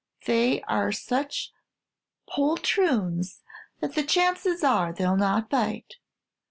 They are such poltroons that the chances are they 'll not bite!